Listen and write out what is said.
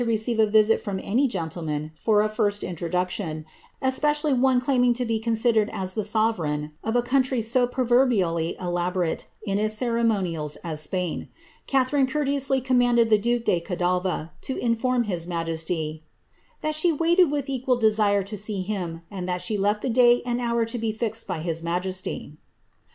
receive a visit from any gentleman for a first introduetioa^espeeianTaB claiming to he considered as the sovereign of a country so pioveibidtf elaborate in its ceremonials as Spain, Catharine courteously conownM the duke de Cadaval to inform his majesty, ^ that she wmiled with tfd desire to see him, and that she left the day and hour to be fixed bjUi majesty.